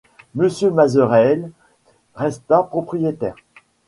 Monsieur Masereel resta propriétaire.